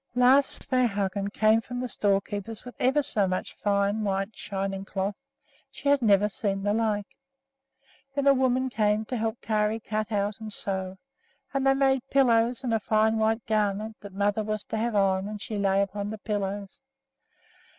Lars Svehaugen came from the storekeeper's with ever so much fine white, shining cloth, she had never seen the like. Then a woman came to help Kari cut out and sew, and they made pillows and a fine white garment that mother was to have on when she lay upon the pillows.